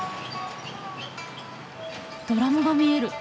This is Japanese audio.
ドラムが見える。